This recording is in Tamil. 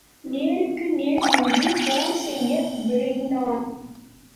நேருக்கு நேர் நின்று போர் செய்ய விழைந்தான்.